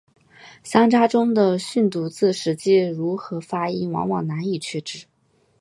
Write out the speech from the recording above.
乡札中的训读字实际如何发音往往难以确知。